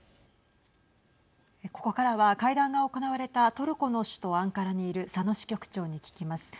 ここからは会談が行われたトルコの首都アンカラにいる佐野支局長に聞きます。